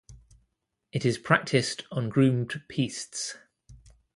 It is practised on groomed pistes.